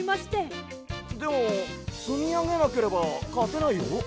でもつみあげなければかてないよ。